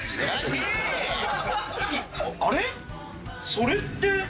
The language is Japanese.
それって。